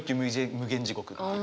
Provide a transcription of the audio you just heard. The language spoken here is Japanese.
無間地獄っていう。